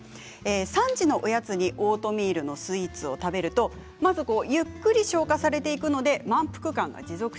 ３時のおやつにオートミールのスイーツを食べるとまずゆっくり消化されていくので満腹感が持続します。